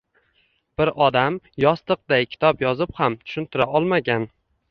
bir odam yostiqday kitob yozib ham tushuntira olmagan